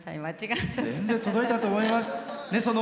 届いたと思います。